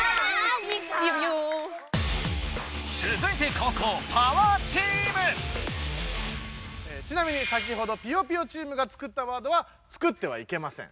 つづいて後攻ちなみに先ほどぴよぴよチームが作ったワードは作ってはいけません。